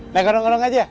naik gondong gondong aja ya